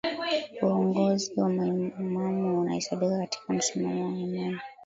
uongozi wa maimamu unahesabika katika msingi wa imani